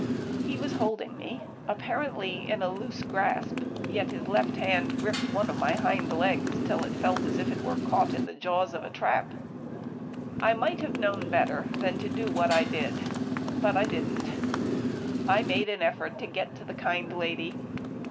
He was holding me apparently in a loose grasp, yet his left hand gripped one of my hind legs till it felt as if it were caught in the jaws of a trap. I might have known better than to do what I did, but I didn't. I made an effort to get to the kind lady.